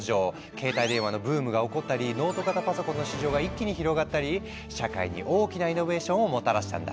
携帯電話のブームが起こったりノート型パソコンの市場が一気に広がったり社会に大きなイノベーションをもたらしたんだ。